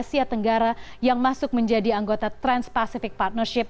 karena itu negara di asia tenggara yang masuk menjadi anggota trans pacific partnership